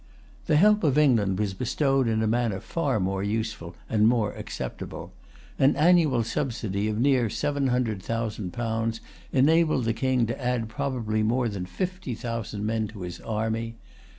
The help of England was bestowed in a manner far more useful and more acceptable. An annual subsidy of near seven hundred thousand pounds enabled the King to add probably more than fifty thousand men to his army.